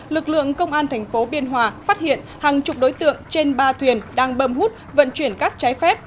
lực lượng công an thành phố biên hòa phát hiện hàng chục đối tượng trên ba thuyền đang bơm hút vận chuyển cát trái phép